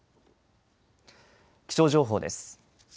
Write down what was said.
気象情報です。